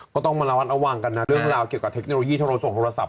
ก็ต้องมาระวัดระวังกันนะเรื่องราวเกี่ยวกับเทคโนโลยีโทรส่งโทรศัพ